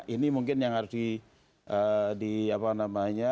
ini mungkin yang harus di apa namanya